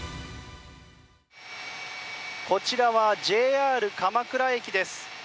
こちらはＪＲ鎌倉駅です。